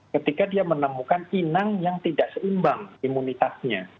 ketika dia menemukan inang yang tidak seimbang imunitasnya